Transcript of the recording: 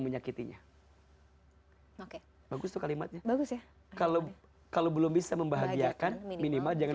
menyakitinya oke bagus tuh kalimatnya bagus ya kalau kalau belum bisa membahagiakan minimal jangan